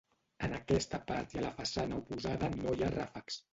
En aquesta part i a la façana oposada no hi ha ràfecs.